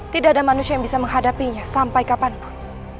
tidak ada manusia yang bisa menghadapinya sampai kapanpun